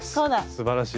すばらしい。